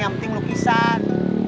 yang penting lukisan